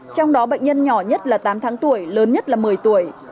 trong đó bệnh nhân nhỏ nhất là tám tháng tuổi lớn nhất là một mươi tuổi